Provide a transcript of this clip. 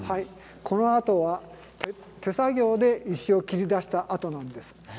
この跡は手作業で石を切り出した跡なんですね。